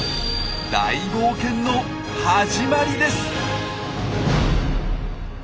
大冒険の始まりです！